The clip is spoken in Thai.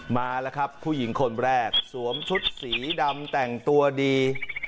มาแล้วครับผู้หญิงคนแรกสวมชุดสีดำแต่งตัวดี